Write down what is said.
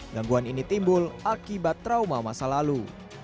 gangguan ini timbul akibat trauma masa lalu